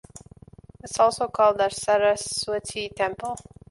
It is also called the Saraswati Temple.